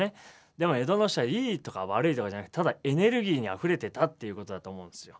でも江戸時代の人はいいとか悪いとかじゃなくてただエネルギーにあふれてたっていうことだと思うんですよ。